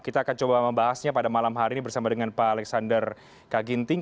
kita akan coba membahasnya pada malam hari ini bersama dengan pak alexander kaginting